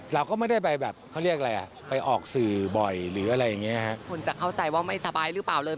เราก็ไม่ได้ไปแบบเขาเรียกอะไรอ่ะไปออกสื่อบ่อยมันจะเข้าใจว่าไม่สไบล์หรือเปล่าเลย